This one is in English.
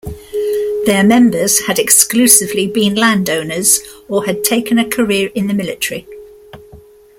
Their members had exclusively been landowners or had taken a career in the military.